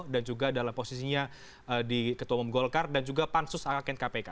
dan juga dalam posisinya di ketua umum golkar dan juga pansus akpk